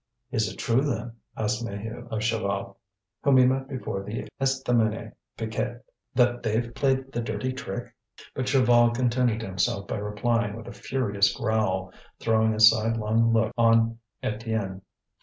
"Is it true, then," asked Maheu of Chaval, whom he met before the Estaminet Piquette, "that they've played the dirty trick?" But Chaval contented himself by replying with a furious growl, throwing a sidelong look on Étienne.